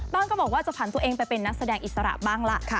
ก็บอกว่าจะผ่านตัวเองไปเป็นนักแสดงอิสระบ้างล่ะ